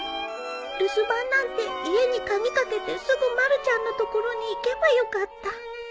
留守番なんて家に鍵掛けてすぐまるちゃんの所に行けばよかった